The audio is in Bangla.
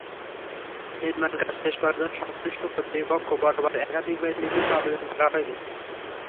নির্মাণকাজ শেষ করার জন্য সংশ্লিষ্ট কর্তৃপক্ষ বরাবর একাধিকবার লিখিত আবেদন করা হয়েছে।